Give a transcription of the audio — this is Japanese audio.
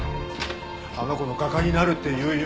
あの子の画家になるっていう夢